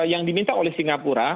yang diminta oleh singapura